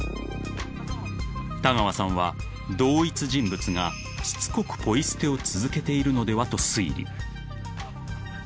［田川さんは同一人物がしつこくポイ捨てを続けているのではと推理］